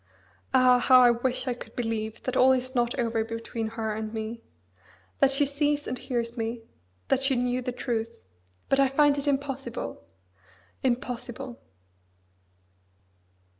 Ah! how I wish I could believe that all is not over between her and me; that she sees and hears me; that she knew the truth. But I find it impossible! impossible!